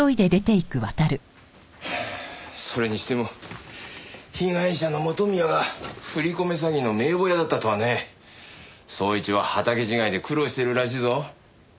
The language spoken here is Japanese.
それにしても被害者の元宮が振り込め詐欺の名簿屋だったとはね。捜一は畑違いで苦労してるらしいぞ。